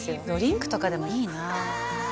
ドリンクとかでもいいな。